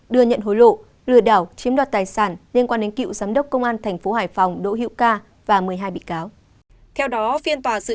đưa nhận hối lộ lừa đảo chiếm đoạt tài sản liên quan đến cựu giám đốc công an tp hải phòng đỗ hiễu ca và một mươi hai bị cáo